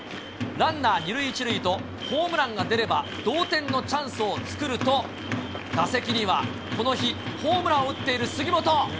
ランナー２塁１塁とホームランが出れば同点のチャンスを作ると、打席には、この日、ホームランを打っている杉本。